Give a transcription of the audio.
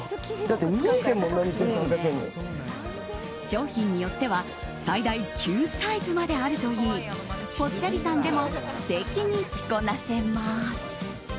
商品によっては最大９サイズまであるといいぽっちゃりさんでも素敵に着こなせます。